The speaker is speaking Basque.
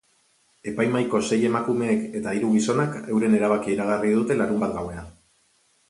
Epaimahaiko sei emakumeek eta hiru gizonak euren erabakia iragarri dute larunbat gauean.